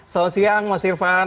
selamat siang mas irfan